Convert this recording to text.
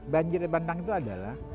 banjir bandang itu adalah